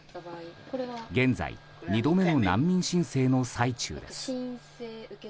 現在、２度目の難民申請の最中です。